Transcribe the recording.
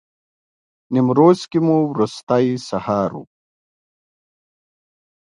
نیمروز کې مو وروستی سهار و.